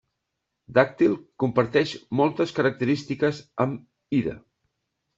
Dàctil comparteix moltes característiques amb Ida.